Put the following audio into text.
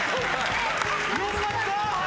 よかった。